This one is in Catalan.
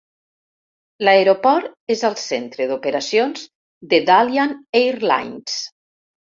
L'aeroport és el centre d'operacions de Dalian Airlines.